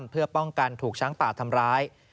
เพื่อป้องกันถูกช้างป่าทำร้าย